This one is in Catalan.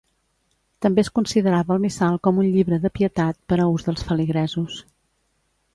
També es considerava el missal com un llibre de pietat, per a ús dels feligresos.